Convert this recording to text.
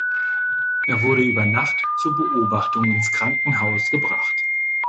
Er wurde über Nacht zur Beobachtung ins Krankenhaus gebracht.